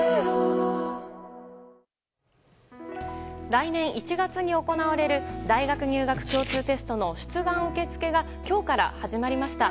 来年１月に行われる大学入学共通テストの出願受け付けが今日から始まりました。